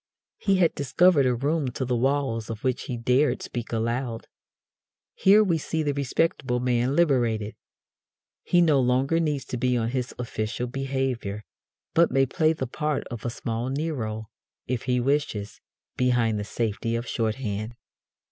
He had discovered a room to the walls of which he dared speak aloud. Here we see the respectable man liberated. He no longer needs to be on his official behaviour, but may play the part of a small Nero, if he wishes, behind the safety of shorthand.